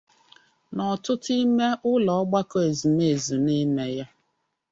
na ọtụtụ ime ụlọ ọgbakọ ezumeezu n'ime ya